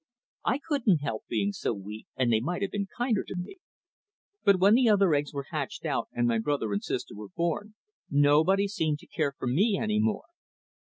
I couldn't help being so weak, and they might have been kinder to me; but when the other eggs were hatched out and my brother and sister were born, nobody seemed to care for me any more.